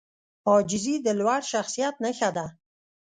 عاجزي د لوړ شخصیت نښه ده.